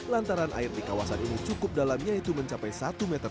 lantaran air di kawasan ini cukup dalamnya itu mencapai satu lima meter